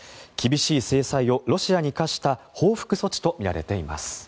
厳しい制裁をロシアに科した報復措置とみられています。